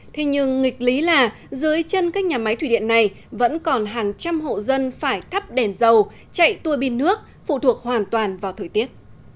thế nhưng nghịch lý là dưới chân các nhà máy thủy điện này vẫn còn hàng trăm hộ dân phải thắp đèn dầu chạy tua bin nước phụ thuộc hoàn toàn vào thời tiết